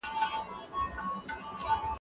هغه تسليمي چي يوازي د الله له پاره وي لوړ کمال دی.